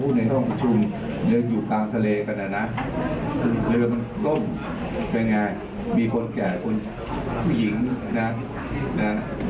ไม่ใช่ว่าไอ้หนุ่มกระโดดขึ้นเรือก่อนปล่อยให้ผู้หญิงปล่อยให้เด็กนะ